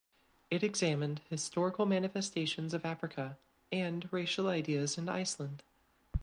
It examined historical manifestations of Africa and racial ideas in Iceland.